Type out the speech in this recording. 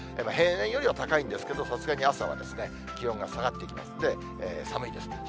平年よりは高いんですけど、さすがに朝は気温が下がってきますんで、寒いです。